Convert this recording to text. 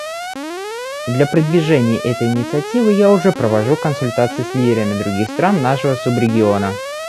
Для продвижения этой инициативы я уже провожу консультации с лидерами других стран нашего субрегиона.